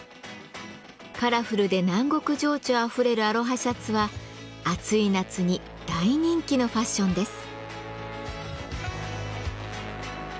カラフルで南国情緒あふれるアロハシャツは暑い夏に大人気のファッションです。